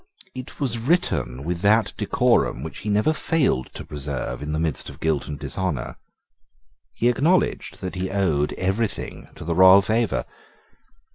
It was written with that decorum which he never failed to preserve in the midst of guilt and dishonour. He acknowledged that he owed everything to the royal favour.